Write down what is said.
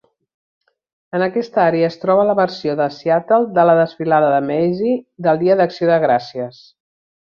En aquesta àrea es troba la versió de Seattle de la Desfilada de Macy del Dia d'Acció de Gràcies.